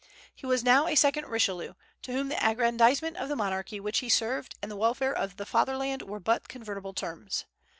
He was now a second Richelieu, to whom the aggrandizement of the monarchy which he served and the welfare of Fatherland were but convertible terms.